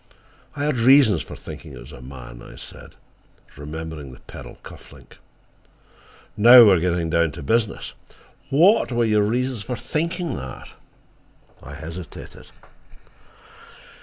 "I had reasons for thinking it was a man," I said remembering the pearl cuff link. "Now we are getting down to business. WHAT were your reasons for thinking that?" I hesitated.